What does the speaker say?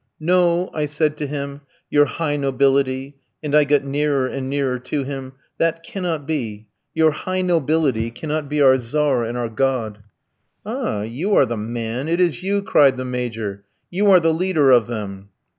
"'No,' I said to him, 'your high nobility,' and I got nearer and nearer to him, 'that cannot be. Your "high nobility" cannot be our Tzar and our God.' "'Ah, you are the man, it is you,' cried the Major; 'you are the leader of them.'